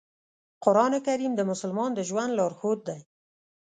قرآن کریم د مسلمان د ژوند لارښود دی.